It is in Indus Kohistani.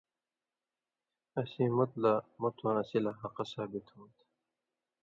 اسیں مُت لا آں مُتواں اسی لا حَقہ ثابت ہوں تھہ۔